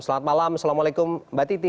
selamat malam assalamualaikum mbak titi